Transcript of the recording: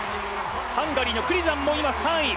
ハンガリーのクリジャンも今３位。